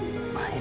bergabung di sini